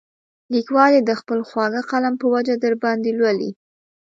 لیکوال یې د خپل خواږه قلم په وجه درباندې لولي.